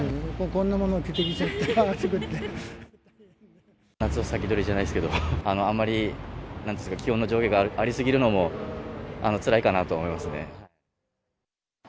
こんなもの着てきちゃって、夏を先取りじゃないですけど、あんまり、なんて言うんですか、気温の上下があり過ぎるのも、つらいかなと思いますね。